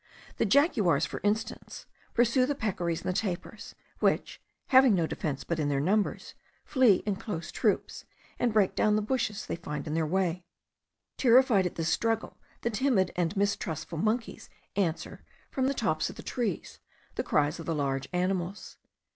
The jaguars, for instance, pursue the peccaries and the tapirs, which, having no defence but in their numbers, flee in close troops, and break down the bushes they find in their way. Terrified at this struggle, the timid and mistrustful monkeys answer, from the tops of the trees, the cries of the large animals.